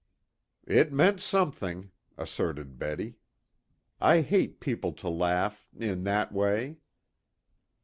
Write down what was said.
"It meant something," asserted Betty. "I hate people to laugh in that way."